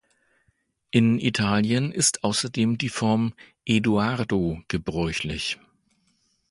In Italien ist außerdem die Form Edoardo gebräuchlich.